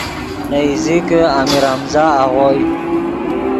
نے ایزیکے امیر حمزہ آغوئے